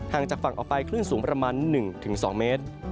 จากฝั่งออกไปคลื่นสูงประมาณ๑๒เมตร